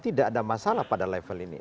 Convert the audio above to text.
tidak ada masalah pada level ini